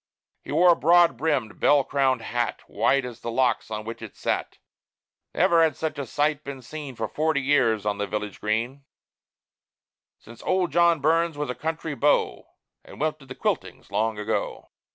He wore a broad brimmed, bell crowned hat, White as the locks on which it sat. Never had such a sight been seen For forty years on the village green, Since old John Burns was a country beau, And went to the "quiltings" long ago.